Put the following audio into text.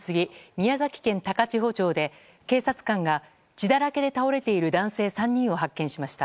宮崎県高千穂町で警察官が血だらけで倒れている男性３人を発見しました。